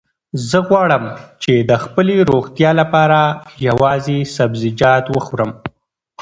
زه غواړم چې د خپلې روغتیا لپاره یوازې سبزیجات وخورم.